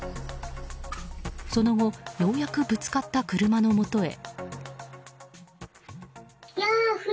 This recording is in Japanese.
その後、ようやくぶつかった車のもとへ。